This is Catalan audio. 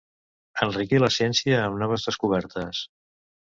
Enriquir la ciència amb noves descobertes.